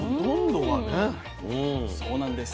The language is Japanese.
そうなんです。